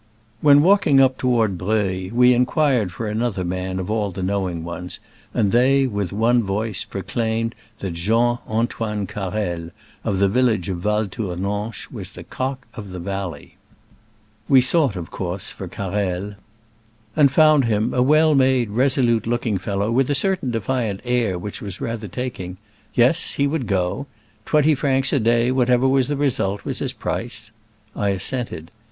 When walking up toward Breuil, we inquired for another man of all the knowing ones, and they, with one voice, proclaimed that Jean Antoine Carrel, of the village of Val Tournanche, was the cock of his valley. We sought, of course, for Carrel, and found him a Digitized by Google 36 SCRAMBLES AMONGST THE ALPS IN i86o '69. well made, resolute looking fellow, with a certain defiant air which was rather taking. Yes, he would go. Twenty francs a day, whatever was the result, was his price. I assented.